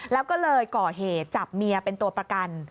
แล้วก็เลยก่อเหตุจับเมียเป็นตัวประกัน